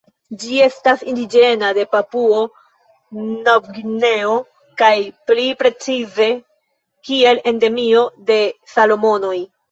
Ĝi estas indiĝena de Papuo-Novgvineo kaj pli precize kiel endemio de Salomonoj.